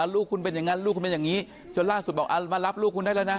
ลูกคุณเป็นอย่างนั้นลูกคุณเป็นอย่างนี้จนล่าสุดบอกมารับลูกคุณได้แล้วนะ